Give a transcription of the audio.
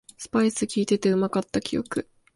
スパイスきいててうまかった記憶